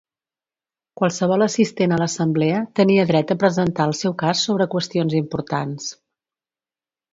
Qualsevol assistent a l'assemblea tenia dret a presentar el seu cas sobre qüestions importants.